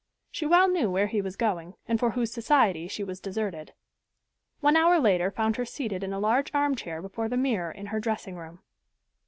She well knew where he was going and for whose society she was deserted. One hour later found her seated in a large armchair before the mirror in her dressing room.